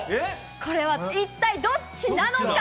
これは一体どっちなのか。